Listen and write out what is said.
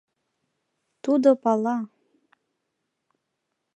— Тудо пала.